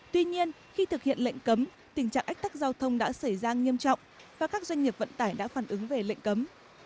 tuy nhiên khi thực hiện lệnh cấm tình trạng ách tắc giao thông đã xảy ra nghiêm trọng và các doanh nghiệp vận tải đã phản ứng về lệnh cấm